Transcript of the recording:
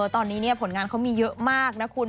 ตอนนี้ผลงานเขามีเยอะมากนะคุณ